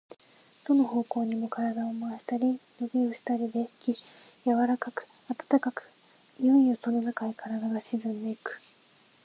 どの方向にも身体を廻したり、のびをしたりでき、柔かく暖かく、いよいよそのなかへ身体が沈んでいく。